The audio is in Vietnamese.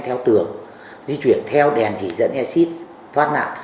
theo tường di chuyển theo đèn chỉ dẫn ec thoát nạn